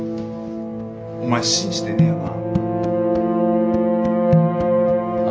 お前信じてねえよなあ。